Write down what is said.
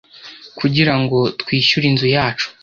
Kugira ngo twishyure inzu yacu,